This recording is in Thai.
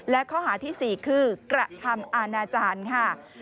และข้อหาที่๔คือกระทำอาณาจารย์ค่ะ